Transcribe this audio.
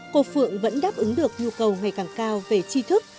cô phượng vẫn đáp ứng được nhu cầu ngày càng cao về chi thức